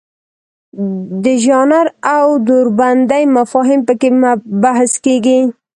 د ژانر او دوربندۍ مفاهیم پکې بحث کیږي.